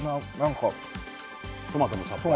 トマトのさっぱりと。